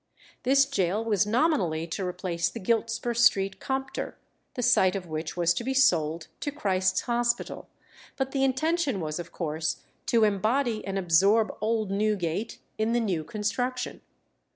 This gaol was nominally to replace the Giltspur Street Compter, the site of which was to be sold to Christ's Hospital, but the intention was of course to embody and absorb old Newgate in the new construction.